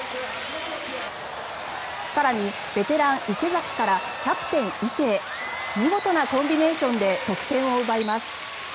更に、ベテラン、池崎からキャプテン、池へ見事なコンビネーションで得点を奪います。